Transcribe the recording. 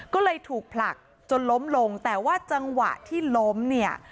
ก็เลยถูกผลักจนล้มลงแต่ว่าจังหวะที่ล้มเนี่ย